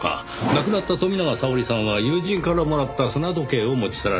亡くなった富永沙織さんは友人からもらった砂時計を持ち去られています。